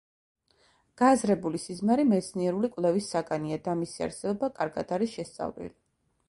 გააზრებული სიზმარი მეცნიერული კვლევის საგანია და მისი არსებობა კარგად არის შესწავლილი.